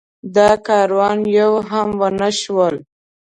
دا کارونه یو هم ونشول.